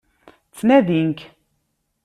Ttnadin-k.